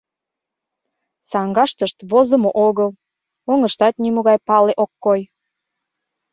Саҥгаштышт возымо огыл, оҥыштат нимогай пале ок кой.